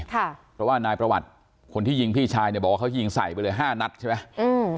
เพราะว่านายประวัติคนที่ยิงพี่ชายเนี่ยบอกว่าเขายิงใส่ไปเลยห้านัดใช่ไหมอืม